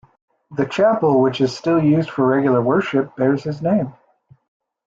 The Chapel which is still used for regular worship bears his name.